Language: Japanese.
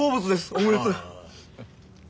オムレツ。